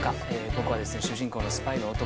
僕はですね主人公のスパイの男